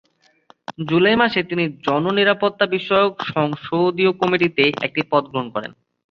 জুলাই মাসে তিনি জননিরাপত্তা বিষয়ক সংসদীয় কমিটিতে একটি পদ গ্রহণ করেন।